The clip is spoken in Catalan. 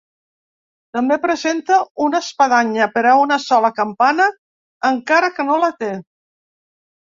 També presenta una espadanya, per a una sola campana, encara que no la té.